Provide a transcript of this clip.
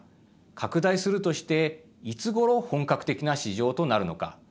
拡大するとしていつごろ本格的な市場となるのか。